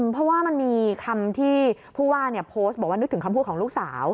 เพราะว่ามันมีคำที่ผู้ว่าโพสต์บอกว่านึกถึงคำพูดของลูกสาว